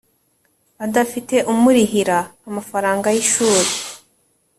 adafite umurihira amafaranga y ishuri